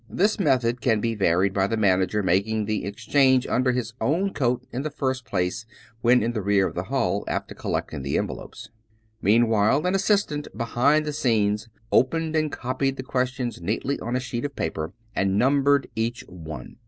This method can be varied by the manager making the exchange under his own coat in the first place when in the rear of the hall after collect ing the envelopes. Meanwhile an assistant behind the scenes opened and copied the questions neatly on a sheet of paper, and num bered each one.